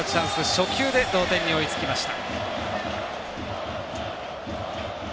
初球で同点に追いつきました。